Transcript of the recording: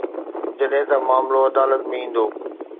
جڏهن ته معاملو عدالت ۾ ايندو.